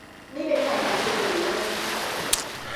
นี่เป็นแผนของคุณหรือไม่